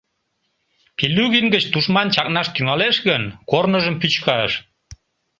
Пильугин гыч тушман чакнаш тӱҥалеш гын, корныжым пӱчкаш...